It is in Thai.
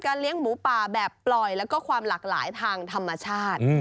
เลี้ยงหมูป่าแบบปล่อยแล้วก็ความหลากหลายทางธรรมชาติ